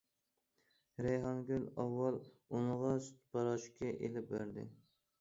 رەيھانگۈل ئاۋۋال ئۇنىڭغا سۈت پاراشوكى ئېلىپ بەردى.